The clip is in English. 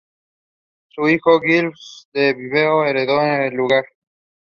Both of their children acted in films.